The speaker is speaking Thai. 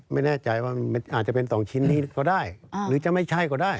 ไม่แน่ใจว่ามันอาจจะเป็น๒ชิ้นนี้ก็ได้หรือจะไม่ใช่ก็ได้